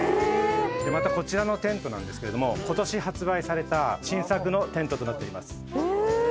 またこちらのテントなんですけれども今年発売された新作のテントとなっています。